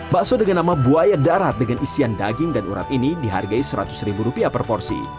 bakso dengan nama buaya darat dengan isian daging dan urat ini dihargai seratus ribu rupiah per porsi